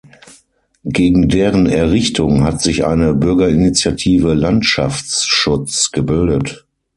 Gegen deren Errichtung hat sich eine „Bürgerinitiative Landschaftsschutz“ gebildet.